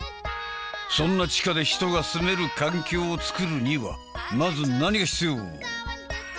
そんな地下で人が住める環境を作るにはまず何が必要？